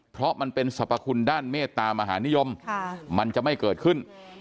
เพราะมันเป็นสรรพคุณด้านเมตตามหานิยมมันจะไม่เกิดขึ้น